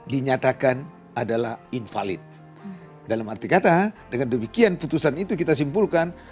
dinyatakan adalah invalid dalam arti kata dengan demikian putusan itu kita simpulkan